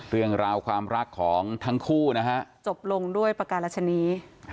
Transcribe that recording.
เรื่องราวความรักของทั้งคู่นะฮะจบลงด้วยประการรัชนี